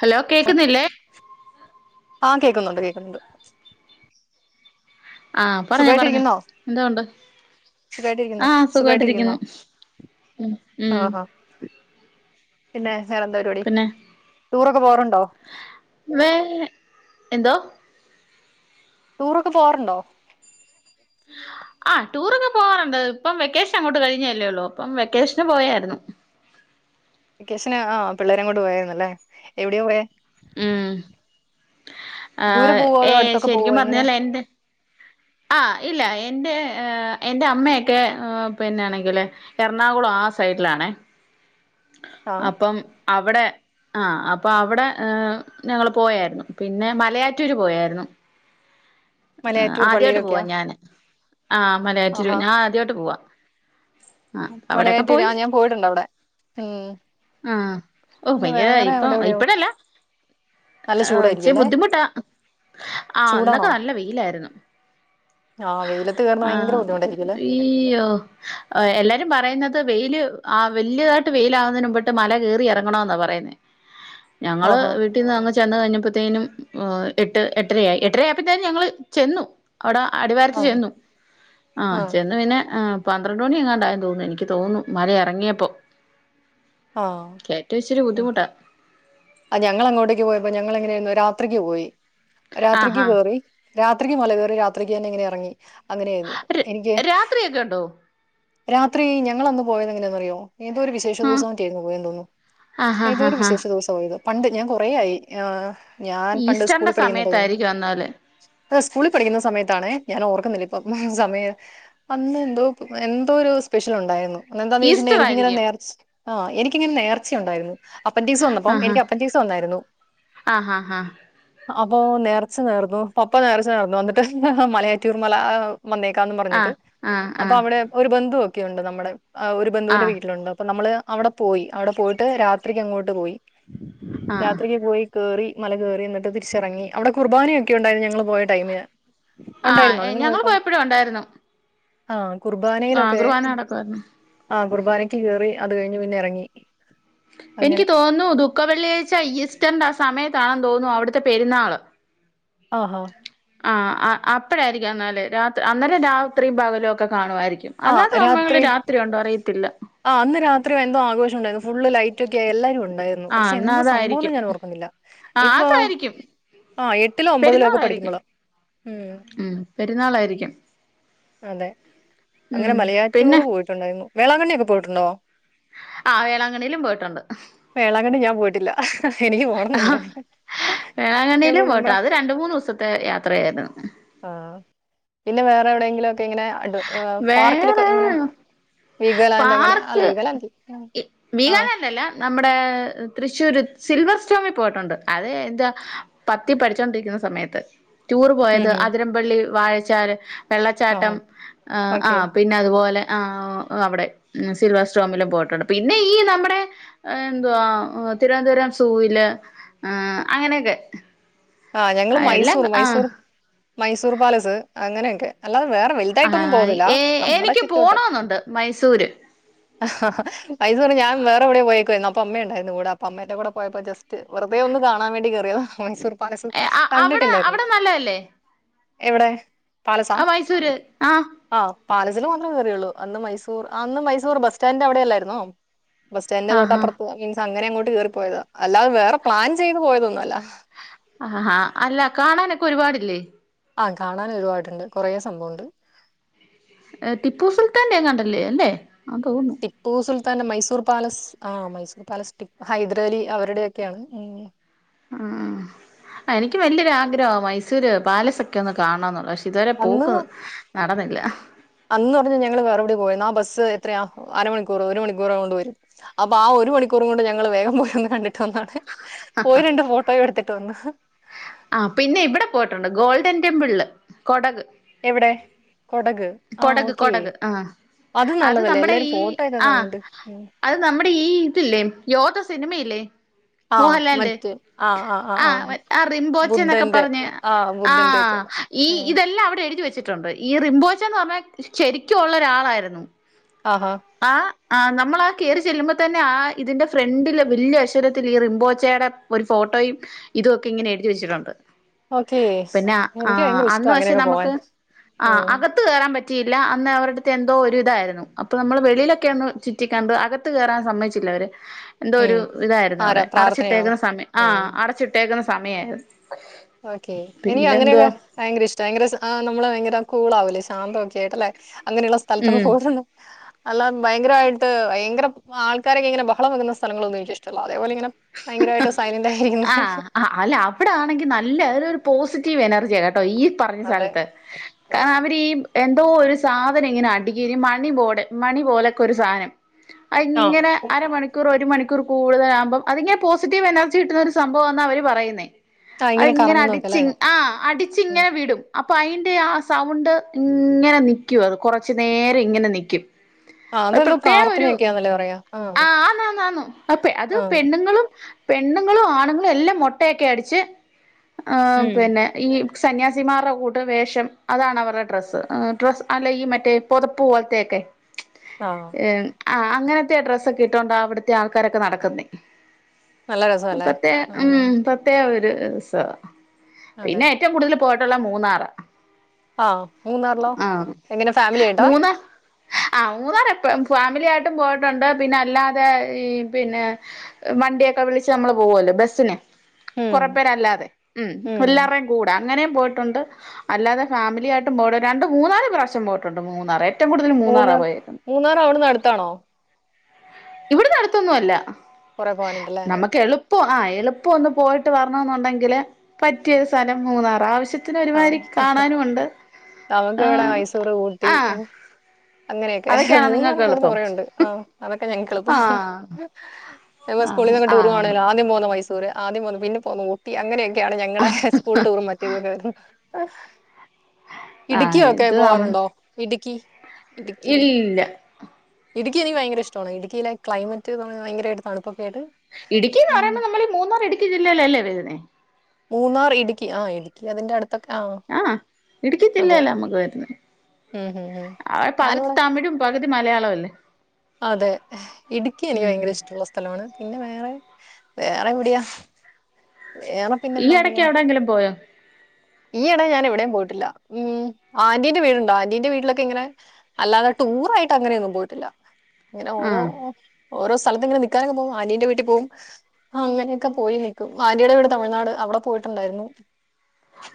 Hello കേക്കുന്നില്ലേ ആഹ്‌ കേക്കുന്നുണ്ട് കേക്കുന്നുണ്ട് ആഹ്‌ പറഞ്ഞോ പറഞ്ഞോ സുഖായിട്ടിരിക്കുന്നോ എന്തോ ഒണ്ട് സുഖായിട്ടിരിക്കുന്നോ ആഹ് സുഖായിട്ടിരിക്കുന്നോ സുഖായിട്ടിരിക്കുന്നു ഉം ഉം ആഹാ പിന്നെ വേറെന്താ പരിപാടി പിന്നെ ടൂറൊക്കെ പോവാറുണ്ടോ വേറെ എന്തോ ടൂറൊക്കെ പോവാറുണ്ടോ ആഹ്‌ ടൂറൊക്കെ പോകാറുണ്ട് ഇപ്പം വെക്കേഷനങ്ങോട്ട് കഴിഞ്ഞതല്ലേ ഒള്ളു അപ്പം വെക്കേഷന് പോയാരുന്നു വെക്കേഷന് ആഹ് പിള്ളേരേം കൊണ്ട് പോയാരുന്നല്ലെ എവിടെയാ പോയെ ഉം ദൂരെ ആഹ്‌ പോവോ അതോ ഏഹ്‌ അടുത്തൊക്കെ പോവോ ശെരിക്കും എങ്ങനെയാ പറഞ്ഞാലെന്റെ ആഹ്‌ ഇല്ല എന്റെ ഏഹ് എന്റെ അമ്മയെക്കെ ആഹ് പിന്നാണെങ്കില് എർണാകുളം ആഹ് സൈഡിലാണെ ആഹ് അപ്പം അവിടെ ആഹ്‌ അപ്പം അവിടെ ഏഹ് ഞങ്ങള് പോയാരുന്നു പിന്നെ മലയാറ്റൂര് പോയാരുന്നു ആഹ്‌ മലയാറ്റൂർ ആദ്യായിട്ട് പോവാ പള്ളിയിലൊക്കെയാ ഞാന് ആഹ് മലയാറ്റൂര് ആഹാ ഞാനാദ്യായിട്ട് പോവാ ആഹ്‌ അവിടെക്കെ മലയാറ്റൂര് പോയി ആഹ് ഞാൻ പോയിട്ടുണ്ട് അവിടെ ഉം ആഹ്‌ ഓഹ് പിന്നെ ഭയങ്കര വേറെ ഇപ്പം അവിടെ എവിടെയോ ഇപ്പഴല്ല നല്ല ഏഹ് ചൂടായിരിക്കും ഇച്ചിരി അല്ലേ ബുദ്ധിമുട്ടാ ആഹ്‌ അന്ന് ത്ത് ചൂടാണോ നല്ല വെയിലാരുന്നു ആഹ് വെയിലത്ത് കേറുന്ന ഭയങ്കര ആഹ്‌ ബുദ്ധിമുട്ടായിരിക്കും അല്ലേ ഇയ്യോ ഓഹ്‌ എല്ലാരും പറയുന്നത് വെയില് ആഹ് വെല്യതായിട്ട് വെയിലാകുന്നതിന് മുമ്പട്ട് മല കേറി എറങ്ങണവെന്നാ പറയുന്നേ [inaudible] ഞങ്ങള് വീട്ടിന്ന് അങ്ങ് ചെന്ന് കഴിഞ്ഞപ്പത്തേനും ഓഹ് എട്ട് എട്ടരയായി എട്ടര പ്പത്തേനും ഞങ്ങള് ചെന്നു അവിടെ അടിവാരത്ത് ആഹ് ചെന്നു ആഹ്‌ ആഹ് ചെന്ന് പിന്നെ ആഹ് പന്ത്രണ്ട് മണി എങ്ങാണ്ടായന്ന് തോന്നുന്നു എനിക്ക് തോന്നുന്നു മല എറങ്ങിയപ്പൊ ആഹ് കേറ്റം ഇച്ചിരി ബുദ്ധിമുട്ടാ ആഹ് ഞങ്ങളങ്ങോട്ടേക്ക് പോയപ്പോ ഞങ്ങളെങ്ങനെയായിരുന്നു രാത്രിക്ക് പോയി രാത്രിക്ക് ആഹാ കേറി രാത്രിക്ക് മലകേറി രാത്രിക്ക് തന്നെ ഇങ്ങനെ എറങ്ങി അങ്ങനെയാരുന്നു എനിക്ക് കേറ്റല്ണ്ടോ രാത്രി ഞങ്ങളന്ന് പോയതെങ്ങനെയാന്ന്റിയോ എതോരു വി ശേഷ ആഹ് ദിവസം മറ്റോ ആരുന്നു പോയെന്ന് തോന്നുന്നു ആഹ് ഏതോ ആഹ് ഒരു ആഹ് ആഹ് വിശേഷ ദിവസാ പോയത് പണ്ട് ഞാൻ കൊറെയായി ആഹ്‌ ഞാൻ പണ്ട് സ്കൂളി ഈസ്റ്ററിന്റെ പഠിക്കുന്ന ടൈമിന് സമയത്തായിരിക്കും എന്നാല് പ്പ് സ്കൂളി പഠിക്കുന്ന സമയത്താണേ ഞാനോർക്കുന്നില്ല ഇപ്പം സമയം അന്ന് എന്തോ അങ്ങനെ എന്തോ ഒരു സ്പെഷ്യൽ ഒണ്ടാരുന്നു അന്നെന്താന്ന് ചോദിച്ചിട്ടുണ്ടങ്കിൽ ഈസ്റ്റർ എനിക്കിങ്ങനെ ആയിരിക്കും നേർ ആഹ് എനിക്കിങ്ങനെ നേർച്ചയൊണ്ടാരുന്നു അപ്പന്റിക്സ് വന്നപ്പം ആഹ് എനിക്ക് അപ്പന്റിക്സ് വന്നാരുന്നു ആഹ് ആഹ് അപ്പോ നേർച്ച നേർന്നു പപ്പ നേർച്ച നേർന്നു അന്നിട്ട് മലയാറ്റൂർമല ആഹ് വന്നേക്കാംന്ന് പറഞ്ഞിട്ട് ആഹ് ആഹ് അപ്പൊ ആഹ് അവിടെ ഒരു ബന്ധുവൊക്കെയുണ്ട് നമ്മടെ ആഹ് ഒരു ബന്ധൂന്റെ ആഹ് വീട്ടിലുണ്ട് അപ്പൊ നമ്മള് അവിടെ പോയി അവിടെ പോയിട്ട് രാത്രിക്കങ്ങോട്ട് പോയി ആഹ് ആഹ് രാത്രിക്ക് പോയി കേറി മല കേറി എന്നിട്ട് തിരിച്ചെറങ്ങി അവിടെ കുർബാനയൊക്കെ ഒണ്ടായിരുന്നു ഞങ്ങള് പോയ ടൈമിന് ഉണ്ടായിരുന്നോ ആഹ് നിങ്ങള് ഞങ്ങള് പോയപ്പം പോയപ്പഴും ഉണ്ടായിരുന്നു ആഹ് കുർ ആഹ് ബാനയിലൊക്കെ കുർബാന നടക്കുവായിരുന്നു ആഹ് കുർബാനക്ക് കേറി അത് കഴിഞ്ഞ് പിന്നെ എറങ്ങി എനിക്ക് അങ്ങനെ. തോന്നുന്നു ദുഃഖ വെള്ളിയാഴ്ച ഈസ്റ്ററിന്റെ ആ സമയത്താണെന്ന് തോന്നുന്നു അവിടുത്തെ പെരുന്നാള് ആഹാ ആഹ് ആഹ് ആഹ് അപ്പഴാരിക്കും അന്നാല് രാത് അന്നേലെ രാത്രിം പകലും ഒക്കെ കാണുവാരിക്കും അല്ലാത്ത സമയങ്ങളിൽ രാത്രി ഒണ്ടോ അറിയത്തില്ല ആഹ് അന്ന് രാത്രി എന്തോ ആഘോഷം ഒണ്ടാരുന്നു ഫുള്ള് ലൈറ്റക്കെയായി എല്ലാരും ഒണ്ടായി ഉം ആഹ് പക്ഷെ എന്നാ എന്തോ സംഭവംന്ന് അതായിരിക്കും ഞാൻ ഓർക്കുന്നില്ല ആഹ് ഇതിപ്പോ അതായിരിക്കും ആ എട്ടിലോ ഒമ്പതിലോ ഒക്കെ പഠിക്കുമ്പളാ ഉം പെരുന്നാളായിരിക്ക്യും അതെ അങ്ങനെ പിന്നെ മലയാറ്റൂറ് പോയിട്ടുണ്ടായിരുന്നു വേളാങ്കണ്ണിക്കെ പോയിട്ടുണ്ടോ? ആഹ് വേളാങ്കണ്ണിയിലും പോയിട്ടുണ്ട് വേളാങ്കണ്ണി ഞാൻ പോയിട്ടില്ല എനിക്ക് പോണംന്നുണ്ട് വേളാങ്കണ്ണി യിലും പോയ്ട്ടാ അത് രണ്ട് മൂന്ന് ദിവസത്തെ യാത്രയായിരുന്നു ആ പിന്നെ വേറെ എവ്ടെയെങ്കിലും ഒക്കെ ഇങ്ങനെ അടു പാർക്കിലൊക്കെ എങ്ങനെ വേറെ വീഗാലാൻറ് അങ്ങനെ അല്ല പാർക്ക് വീഗാലാന്റ്ല് ആ നമ്മ്ടേ തൃശ്ശൂര് സിൽവർ സ്റ്റോമിൽ പോയിട്ടുണ്ട് അത് എന്താ പത്തിൽ പഠിച്ചോണ്ടിരിക്ക്ണ സമയത്ത് റ്റൂറ് ഉം പോയത് ഉം അതിരംപള്ളി, വാഴച്ചാല്, ആഹാ വെള്ളച്ചാട്ടം ആ ആ ഓക്കെ പിന്നെ അതുപോലെ ആ അവ്ടെ ഉം സിൽവർ സ്റ്റോമിലും പോയിട്ടുണ്ട് പിന്നെ ഈ നമ്മടെ ആ എന്തുവാ തിരുവനന്തപുരം സൂയ്ല് ആ അങ്ങനെയൊക്കെ ആ ഞങ്ങള് എല്ലാം മൈസൂറ് ആ മൈസൂറ് മൈസൂറ് പാലസ് അങ്ങനെയൊക്കെ അല്ലാതെ വേറെ വൽ ആ തായിട്ടൊന്നും പോവുന്നില്ലാ നമ്മുടെ എനിക്ക് ചുറ്റുവട്ടം പോണോന്നുണ്ട് മൈസൂര് മൈസൂറ് ഞാൻ വേറെ എവ്ടേ പോയേക്കുവായ്ര്ന്നു അപ്പൊ അമ്മയുണ്ടായിരുന്നു കൂടെ അപ്പ അമ്മേന്റെ കൂടെ പോയപ്പോ ജസ്റ്റ് റ്റ് വെറുതെ ഒന്ന് കാണാൻ വേണ്ടി കേറിയതാ മൻസൂർ പാലസ് അവിടെ കണ്ടിട്ടില്ലായ്ര്ന്നു അവിടെ നല്ലതല്ലേ എവ്ടേ പാലസാ ആ മൈസൂര് ആഹ് ആ പാലസ് ല് മാത്രേ കേറിയൊള്ളൂ അന്ന് മൈസൂർ ആ അന്ന് മൈസൂർ ബസ് സ്റ്റാന്റ് അവ്ടെ അല്ലായ്രുന്നോ ബസ് സ്റ്റാൻൽന്റെ തൊട്ട് ആഹാ അപ്പുറത്ത് മീൻസ് അങ്ങനെ അങ്ങോട്ട് കേറിപ്പോയതാ അല്ലാതെ വേറെ പ്ലാൻ ചെയ്ത് പോയതൊന്നും അല്ല അല്ല കാണാനൊക്കെ ഒരുപാടില്ലേ ആ കാണാൻ ഒര്പാട്ണ്ട് കൊറേ സംഭവം ഉണ്ട് ഏ ട്ടിപ്പു സുൽത്താന്റെ എങ്ങാണ്ടല്ലേ അല്ലേ ആന്ന് തോന്നുന്നു ടിപ്പു സുൽത്താന്റെ മൈസൂർ പാലസ് ആ മൈസൂർ പാലസ് ടിപ് ഹൈദറലി അവരുടെയൊക്കെയാണ് ഉം ഉം ആ എനിക്ക് വല്ല്യൊര് ആഗ്രഹോ മൈസൂര് പാലസൊക്കെ ഒന്ന് കാൺണം ന്നുള്ളത് പക്ഷേ ഇതുവരെ അന്ന് പോക്ക് നടന്നില്ല അന്ന് പർഞ്ഞ് ഞങ്ങള് വേറെവ്ടെയോ പോയെന്ന് ആ ബസ്സ് എത്രയാ അരമണിക്കൂറ് ഒരു മണിക്കൂറോണ്ട് വരും അപ്പൊ ആ ഒരു മണിക്കൂറ് കൊണ്ട് ഞങ്ങള് വേഗം പോയ് ഒന്ന് കണ്ട് കണ്ടാട്ട് പോയി രണ്ട് ഫോട്ടോ എടുത്തിട്ട് വന്നു ആ പിന്നെ ഇവ്ടെ പോയ്ട്ടുണ്ട് ഗോൾഡൻ ടിമ്പ്ൾല് കൊടക് എവിടേ കൊടക് ആ കൊടക് ഓക്കേ കൊടക് ആ അത് നല്ലതല്ലേ നമ്മടെ എല്ലാരും ഈ ഫോട്ടോ ഒക്കെ ആ കാണുന്നുണ്ട് ഉം. അത് നമ്മടെ ഈ ഇതില്ലേ യോദ്ധ സിനിമ ഇല്ലേ മോഹൻലാല്ന്റ് ആ ആ റിമ്പോച്ച എന്നൊക്കെ ബുദ്ധന്റെ പറഞ്ഞ് ആ ബുദ്ധന്റെ ഒക്കെ ഈ ഉം. ഇതെല്ലാം അവ്ടെ എഴുതി വെച്ചിട്ടുണ്ട് ഈ റിമ്പോച്ചാന്ന് പറഞ്ഞാൽ ശരിയ്ക്കും ഉള്ള ഒരാളായിരുന്നു ആഹ് ആഹ് ആ ആ നമ്മള് ആ കേറി ചെല്ലുമ്പത്തന്നെ ആ ഇതിന്റെ ഫ്രണ്ടില് വല്ല്യ അക്ഷരത്തില് ഈ റിമ്പോച്ചയടെ ഒരു ഫോട്ടോയും ഇതും ഒക്കെ ഇങ്ങനെ എഴുതി വെച്ചിട്ടുണ്ട് ഓക്കേ പിന്നെ ആ എനിക്ക് ഭയങ്കര അന്ന് ഇഷ്ടം പക്ഷെ അങ്ങനെയൊക്കെ നമുക്ക് പോവാൻ ആ അക് ത്ത് കേറാൻ പറ്റിയില്ല അന്ന് അവറട്ത്ത് എന്തോ ഒരു ഇതായിരുന്നു അപ്പൊ നമ്മള് വെളിയിലൊക്കെ ഒന്ന് ചുറ്റിക്കണ്ടു അകത്ത് കേറാൻ സമ്മയ്ച്ചില്ല അവര് എന്തോ ഒരു ഉം ഇതായ്രുന്നു ആരാ അവിടെ പ്രാർത്ഥനയാണോ അടച്ചിട്ടേക്കുന്ന സമയം ആ അടച്ചിട്ടേക്കുന്ന സമയായ്ര്ന്നു ഓക്കേ ഇനി അങ്ങനെയൊക്കെ ഭയങ്കര ഇഷ്ട്ടാ ഭയങ്കര സ് ആ നമ്മള് ഭയങ്കര കൂള് ആവൂല്ലേ ശാന്തമൊക്കെ ആയിട്ട് അല്ലേ അങ്ങനെയുള്ള സ്ഥലത്തൊക്കെ ഉം പോയിരുന്നാ അല്ലാം ഭയങ്കരമായിട്ട് ഭയങ്കരം ചുമ്മാ ആൾക്കാരൊക്കെ ഇങ്ങനെ ബഹളം വെയ്ക്കുന്ന സ്ഥലങ്ങളൊന്നും എനിക്ക് ഇഷ്ടമല്ല അതേപോലെ ഇങ്ങനെ ഭയങ്കരമായിട്ട് സൈലന്റ് ആയിരിക്കുന്ന സ്ഥലം ആഹ് ആഹ് അല്ല അവിടെ ആണെങ്കിൽ നല്ല അതൊരു പോസിറ്റീവ് എനർജിയാ കേട്ടോ ഈ പറഞ്ഞ അതെ സ്ഥലത്ത് കാ ഉം. അവരീ എന്തോ ഒരു സാധനം ഇങ്ങനെ അടിക്കും മണി ബോഡ് മണി പോലെയൊക്കെ ഒരു സാധനം ആ അതിങ്ങനെ അരമണിക്കൂർ ഒരു മണിക്കൂർ കൂടുതൽ ആമ്പം അതിങ്ങനെ പോസിറ്റീവ് എനർജി കിട്ടുന്ന ഒരു സംഭവംമാന്ന അവര് പറയുന്നേ ആ ഇങ്ങനെ അതിങ്ങനെ കറങ്ങുന്നൊക്കെ അടിച്ച് അല്ലേ ആഹ് അടിച്ച് ഉം. ഇങ്ങനെ വിടും അപ്പൊ അതിൻ്റെ ആ സൗണ്ട് ഇങ്ങനെ നിക്ക്‌യും അത് കുറച്ച് നേരം ഇങ്ങനെ നിക്ക്‌യും ആ അതെന്തോ പ്രത്യേകം ഒരു പ്രാർത്ഥനയൊക്കെയാന്നല്ലേ പറയാ ആ ആന്നാന്നാന്ന് അപ്പേ അത് ആ ണ്ണുങ്ങളും പെണ്ണുങ്ങളും ആണുങ്ങളും എല്ലാം മൊട്ടയൊക്കെ അടിച്ച് ആഹ് ഉം പിന്നെ ഈ സന്യാസിമാരുടെ കൂട്ട് വേഷം അതാണ് അവരുടെ ഡ്രസ്സ് ഡ്രസ്സ് അല്ലെ ഈ മറ്റേ പുതപ്പ് പോലത്തെയൊക്കെ ആഹ് എം ആഹ് അങ്ങനത്തെ ഡ്രസ്സൊക്കെ ഇട്ടുകൊണ്ട അവിടുത്തെ ആൾക്കാരൊക്കെ നടക്കുന്നത് നല്ല രസമല്ലേ പത്തേ ഉം പ പ്രത്യേകം ഒരു രസാ അതെ പിന്നെ ഏറ്റവും കൂടുതൽ പോയിട്ടുള്ള മൂന്നാറ് ആഹ് മൂന്നാറിലോ എങ്ങനെ ഫാമിലിയായിട്ടാ ആ മൂന്നാർ എപ്പഴും ഫാമിലി ആയിട്ടും പോയിട്ടുണ്ട് പിന്നെ അല്ലാതെ ഈ പിന്നെ വണ്ടിയൊക്കെ വിളിച്ച് നമ്മള് പോവുമല്ലോ ബസ്സിന് ഉം കൊറെ പേരല്ലാതെ ഉം എല്ലാരുടെയും കൂടെ അങ്ങനെയും പോയിട്ടുണ്ട് അല്ലാതെ ഫാമിലി ആയിട്ടും പോയിട്ടുണ്ട് രണ്ട് മൂന്നാല് പ്രാവശ്യം പോയിട്ടുണ്ട് മൂന്നാർ ഏറ്റവും കൂടുതൽ മൂന്നാറാ പോയെക്കുന്നെ മൂന്നാറ് അവിടെ നിന്ന് അടുത്താണോ ഇവിടെനിന്ന് അടുത്തൊന്നും അല്ല കുറെ പോകാനുണ്ടല്ലേ നമ്മുക്ക് എളു പ്പം ആഹ് എളുപ്പം ഒന്ന് പോയിട്ട് വരണമെന്നുണ്ടെങ്കിൽ പറ്റിയ ഒരു സ്ഥലം മൂന്നാറാ ആവശ്യത്തി ആഹ് നമുക്ക് ഇവിടെ ആഹ് മൈസൂർ ഊട്ടി ആഹ് അങ്ങനെയൊക്കെ അതൊക്കെയാണോ നിങ്ങൾക്ക് മൂന്നാറൊക്കെ ഇവിടുന്ന് എളുപ്പം കുറേയുണ്ട് ആഹ് അതൊക്കെ ഞങ്ങൾക്ക് എളുപ്പ ആഹ് ഞങ്ങൾ സ്കൂളിൽ ആഹ് നിന്നൊക്കെ ടൂർ ആഹ് പോവാണെങ്കി ആദ്യം പോവുന്നത് മൈസൂ സൂര് ആദ്യം പോകുന്നെ പിന്നെ പോന്ന ഊട്ടി അങ്ങനെയൊക്കെയാണ് ഞങ്ങളുടെ സ്കൂൾ ടൂറും മറ്റേതും ഒക്കെ വരുന്നത് ആഹ് ഇടുക്കിയൊക്കെ ഇത് നം പോവാറുണ്ടോ ഇടുക്കി ഇടുക്കി ഇടുക്കി ഇല്ല ഇടുക്കി എനിക്ക് ഭയങ്കര ഇഷ്ടമാണ് ഇടുക്കിയിലെ ക്ലൈമറ്റ് ന്ന് പറയുന്നത് ഭയരമായിട്ട് തണുപ്പൊക്കെ ആയിട്ട് ഇടുക്കി എന്ന് ഉം പറയുമ്പോ നമ്മളെ ഈ മൂന്നാർ ഇടുക്കി ജില്ലയിലല്ലേ വരുന്നേ മൂന്നാർ ഇടുക്കി ആഹ് ഇടുക്കി അതിന്റെ അടു ത്തൊക്കെ ആഹ് ആഹ് ഇടുക്കി അതെ ജില്ലയിലാ നമ്മുക്ക് വരുന്നെ ഉം ഉം ഉം അവിടെ പകുതി ഞാനിവിടെ തമിഴും പകുതി മലയാളവും അല്ലേ അതെ ഇടുക്കി എനിക്ക് ഉം ഭയങ്കര ഇഷ്ടമുള്ള സ്ഥ സ്ഥലമാണ് പിന്നെ വേറെ വേറെ എവിടെയാ വേറെ ഈ പിന്നെന്താ ഇടയ്ക്ക് എവിടെയെങ്കിലും പോയോ ഈ ഇടെ ഞാൻ എവിടെയും പോയിട്ടില്ല ഉം ആന്റീന്റെ വീടുണ്ട് ആറീന്റെ വീട്ടിലൊക്കെ ഇങ്ങനെ അല്ലാതെ ടൂർ ആയിട്ട് അങ്ങനെയൊന്നും പോയിട്ടില്ല ഇങ്ങനെ ഓരോ ആഹ് ഓരോ സ്ഥലത്ത് ഇങ്ങനെ നിക്കാനക്കെ പോവും ആനീന്റെ വീട്ടി പോവും അങ്ങനൊക്കെ പോയി നിക്കും ആന്റിയുടെ വീട് തമിഴ്നാട് അവിടെ പോയിട്ടുണ്ടായിരുന്നു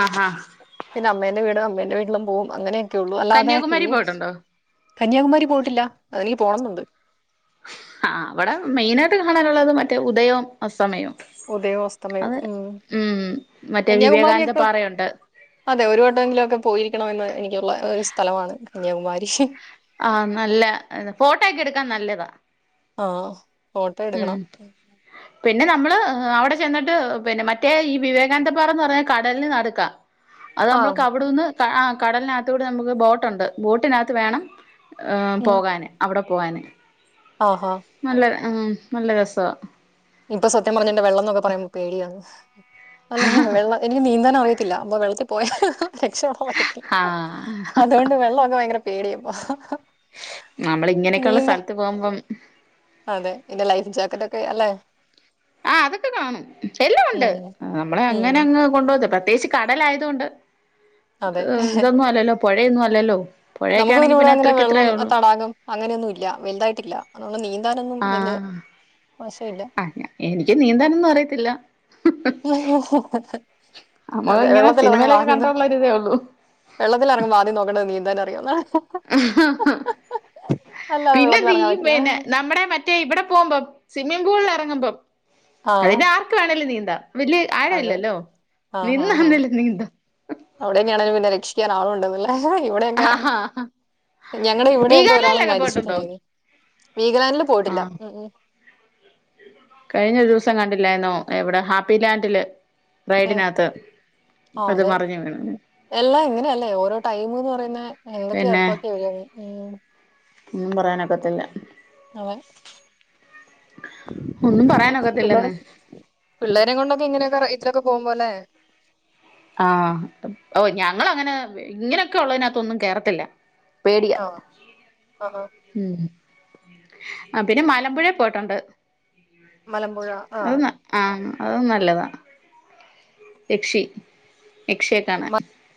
ആഹ് ആഹ് പിന്നെ അമ്മേന്റെ വീടും അമ്മേന്റെ വീട്ടിലും പോകും അങ്ങനെയൊക്കെ ഉള്ളു അല്ലാതെ കന്യാകുമാരി പോയിട്ടുണ്ടോ കന്യാകുമാരി പോയിട്ടില്ല അതെനിക്ക് പോണന്നുണ്ട് ആഹ് അവടെ മെയിനായിട്ട് കാണാനുള്ളത് മറ്റേ ഉദയോം അസമയോം ഉദയവും അസ്തമയവും അത് ഉം മറ്റേ വിവേകാനന്ദ കന്യാകുമാരിയൊക്കെ പാറയുണ്ട് അതെ ഒരു വട്ടമെങ്കിലും ഒക്കെ പോയിരിക്കണ എന്ന എനിക്കുള്ള ഒരു സ്ഥലാണ് കന്യാകുമാരി ആഹ് നല്ല ഫോട്ടോ ഒക്കെ എടുക്കാൻ നല്ലതാ ആഹ് ഉം പിന്നെ നമ്മള് അവിടെ ചെന്നിട്ട് പിന്നെ മറ്റേ ഈ വിവേകാനന്ദപാറന്ന് പറഞ്ഞ കടലിന് നടക്ക അത് ആ നമ്മൾക്ക് അവിടൂന്ന് താ ആ കടലിനതൂടെ നമുക്ക് ബോട്ടൊണ്ട് ബോട്ടിനത്ത് വേണം ഉം പോകാന് അവിടെ പോവാന് ആഹ് ഹാ നല്ല ആഹ് നല്ല രസ ഇപ്പൊ സത്യം പറഞ്ഞിട്ട് വെള്ളം എന്നൊക്കെ പറയുമ്പോ പേടിയാന്ന് അല്ല വെള്ള എനിക്ക് നീന്താൻ അറിയത്തില്ല അപ്പോ വെള്ളത്തി പോയാൽ രക്ഷപ്പെടാൻ പറ്റത്തില്ല ആഹ് അതുകൊണ്ട് വെള്ളം ഒക്കെ ഭയങ്കര പേടിയാപ്പോ നമ്മൾ ഇങ്ങനെയൊക്കെള്ള സ്ഥലത്ത് പോവുമ്പം അതെ ഇന്റെ ലൈഫ് ജാക്കറ്റ് ഒക്കെ അല്ലെ ആഹ് അതൊക്കെ കാണും എല്ലാം ഉണ്ട് ഉം നമ്മളെ ഉം അങ്ങനെ അങ്ങ് കൊണ്ടപോത് പ്രത്യേച്ച് കടലായതോണ്ട് അതെ ഇതൊന്നും അല്ലല്ലോ പൊഴയൊന്നും അല്ലല്ലോ പുഴയൊക്കെ നമുക്ക് പിന്നെ ആണെങ്കി ഇവിടെ അങ്ങനെ ഇത്രക്ക് വെള്ളം ഇത്രയേ ഉള്ളൂ തടാകം അങ്ങനെയൊന്നും ഇല്ല വലുതായിട്ടില്ല അന്നൊന്നും നീന്താനൊന്നും വല്യേ ആഹ് വശ ഇല്ല ആ എനിക്ക് നീന്താനൊന്നും അറിയത്തില്ല നമ്മള അതെ അങ്ങനെ സിനിമയിലൊക്കെ കണ്ടൊള്ള ഒരു ഇതേ ഒള്ളു വെള്ളതിലറങ്ങുമ്പോ ആദ്യം നോക്കണ്ടത് നീന്താൻ അറിയോ ന്നാ അല്ലാതെ വെള്ളത്തിൽ പിന്നെന്ത് ഈ ഇറങ്ങാൻ പറ്റില്ല പിന്നെ നമ്മുടെ മ റ്റേ ഇവിടെ പോകുമ്പം സ്വിമ്മിം പൂളിൽ എറങ്ങുമ്പം ആ അതിന് ആർക്ക് വേണേലും നീന്താ വല്യേ അതെ ആഴല്ലല്ലോ നിന്നാന്നേലും നീന്ത അവിടെന്ന്യാണെലും പിന്നെ രക്ഷിക്കാൻ ആള ഉണ്ടന്ന്ള്ള ഇവിടെയൊക്കെ ആഹാ ഞങ്ങള് ഇവിടെയൊക്കെ ഒരാള് വീഗാലാൻഡിലൊക്കെ പോയിട്ടുണ്ടോ മരിച്ചിട്ടുണ്ടയിനി വീഗാലാ‌ൻഡിൽ പോയിട്ടില്ല ആഹ് ഉം ഉം കഴിഞ്ഞ ഒരൂസം കണ്ടില്ലായിന്നോ എവിടെ ഹാപ്പി ലാൻഡില് ഏ റേയ്ഡിനാത്ത് ആ അത് അതെ മറിഞ്ഞു വീണഞ് എല്ലാം ഇങ്ങനെയല്ലേ ഓരോ ടൈം ന്ന് പറയന്നെ എന്തൊക്കെയാ പിന്നെ എപ്പക്യാ ഉം ഒന്നും പറയാനെപറ്റില്ല അതെ ഒന്നും പിള്ളേരെ പറയാനൊക്കത്തില്ലെന്ന് പിള്ളേരേ കൊണ്ടൊക്കെങ്ങനെ [unintelligible] പോകുമ്പോലെ ആഹ് ഓഹ് ഞങ്ങളങ്ങനെ ഇങ്ങനെയൊക്കെ ഉള്ളെയ്നാതൊന്നും കേറത്തില്ല പേടിയ ആ ആഹാ ഉം ആഹ് പിന്നെ മലമ്പുഴെ പോയിട്ടുണ്ട് മലമ്പുഴ ആ അഹ് ആഹ് അഉം നല്ലതാ യക്ഷി യക്ഷിയെ കാണാൻ